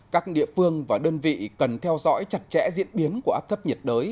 các địa phương và đơn vị cần theo dõi chặt chẽ diễn biến của áp thấp nhiệt đới